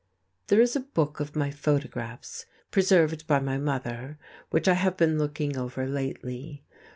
There is a book of my photographs, preserved by my mother, which I have been looking over lately.